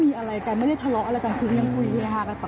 ไม่ทราบเลยตอนนี้ก็ต้องรอการตรวจสอบอยู่ใช่ไหมครับ